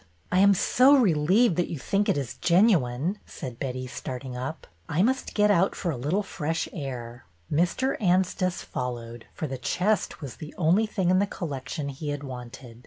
I am so relieved that you think it is gen uine," said Betty, starting up. I must get out for a little fresh air." Mr. Anstice followed, for the chest was the only thing in the collection he had wanted.